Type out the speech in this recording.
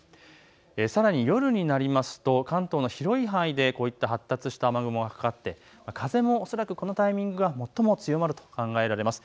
さらに夜になりますと関東の広い範囲でこういった発達した雨雲がかかって、風も恐らくこのタイミングが最も強まると考えられます。